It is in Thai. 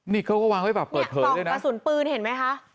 นี่เขาก็วางไว้แบบเปิดเผินเลยนะนี่ของกระสุนปืนเห็นไหมคะ